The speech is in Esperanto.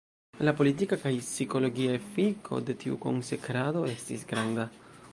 La politika kaj psikologia efiko de tiu konsekrado estis granda.